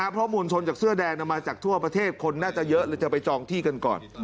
เพราะมวลชนจากเสื้อแดงมาจากทั่วประเทศคนน่าจะเยอะหรือจะไปจองที่กันก่อน